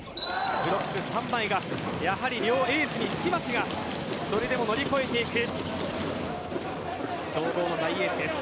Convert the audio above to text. ブロック３枚が両エースにつきますがそれでも乗り越えていく強豪の大エースです。